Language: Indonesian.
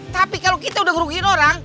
tapi kalau kita udah rugiin orang